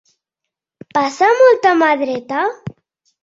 Passa molta mà dreta?